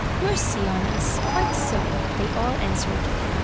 "Mercy on us! Quite so," they all answered.